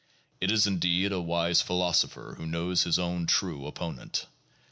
It is indeed a wise philosopher who knows his own true opponent.